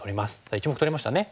１目取れましたね。